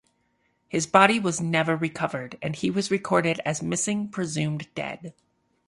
His body was never recovered and he was recorded as missing presumed dead.